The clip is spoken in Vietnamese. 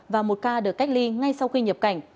và một ca được cách ly ngay sau khi nhập cảnh